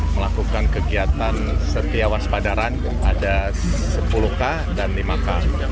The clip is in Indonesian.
melakukan kegiatan setiawaspadaran ada sepuluh k dan lima k